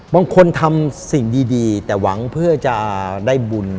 บางคนทำสิ่งดีแต่หวังเพื่อจะได้บุญ